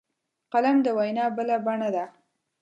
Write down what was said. قلم د وینا بله بڼه ده